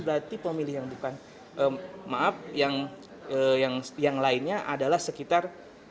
berarti pemilih yang lainnya adalah sekitar